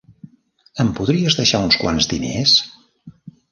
Em podries deixar uns quants diners?